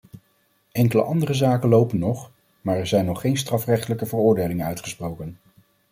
Enkele andere zaken lopen nog, maar er zijn nog geen strafrechtelijke veroordelingen uitgesproken.